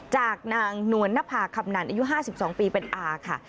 จากนางนวลนภาคำนันอายุ๕๒ปีเป็นอาค่ะ